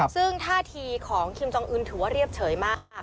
ซึ่งท่าทีของคิมจองอื่นถือว่าเรียบเฉยมาก